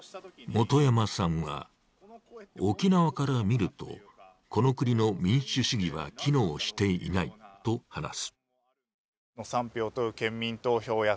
元山さんは、沖縄から見るとこの国の民主主義は機能していないと話す。